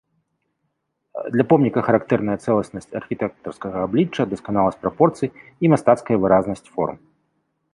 Для помніка характэрная цэласнасць архітэктарскага аблічча, дасканаласць прапорцый і мастацкая выразнасць форм.